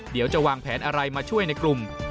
เดี๋ยวจะวางแผนอะไรมาช่วยในกลุ่ม